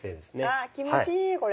あ気持ちいいこれ。